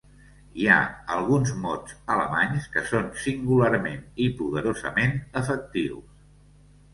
Hi ha alguns mots alemanys que són singularment i poderosament efectius.